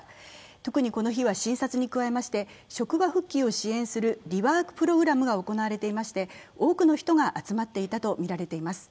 特にこの日は診療に加えまして職場復帰を支援するリワーク・プログラムが行われていまして多くの人が集まっていたとみられています。